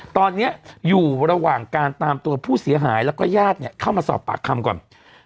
ตอนนี้อยู่ระหว่างการตามตัวผู้เสียหายแล้วก็ญาติเข้ามาสอบปากคำก่อน